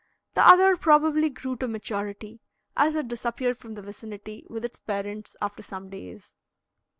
The other probably grew to maturity, as it disappeared from the vicinity with its parents after some days.